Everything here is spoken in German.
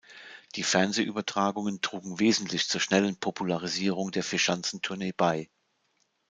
Die Fernsehübertragungen trugen wesentlich zur schnellen Popularisierung der Vierschanzentournee bei.